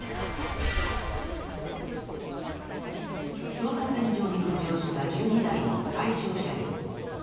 捜査線上に浮上した１２台の対象車両。